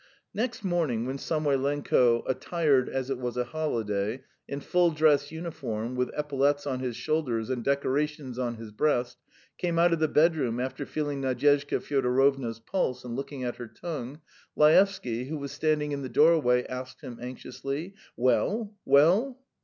Next morning when Samoylenko, attired, as it was a holiday, in full dress uniform with epaulettes on his shoulders and decorations on his breast, came out of the bedroom after feeling Nadyezhda Fyodorovna's pulse and looking at her tongue, Laevsky, who was standing in the doorway, asked him anxiously: "Well? Well?"